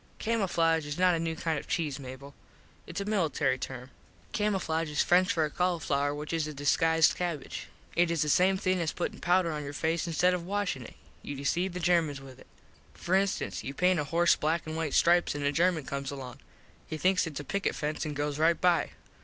Camooflage is not a new kind of cheese Mable. Its a military term. Camooflage is French for cauliflower which is a disguised cabbage. It is the same thing as puttin powder on your face instead of washin it. You deceive Germans with it. For instance you paint a horse black and white stripes an a German comes along. He thinks its a picket fence an goes right by.